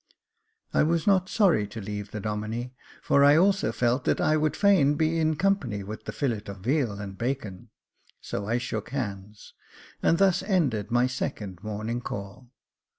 I was not sorry to leave the Domine, for I also felt that I would fain be in company with the fillet of veal and bacon, so I shook hands, and thus ended my second morning call.